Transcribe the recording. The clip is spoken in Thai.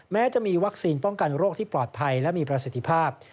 แม้จะมีวัคซีนป้องกันโรคที่ปลอดภัยและมีประสิทธิภาพ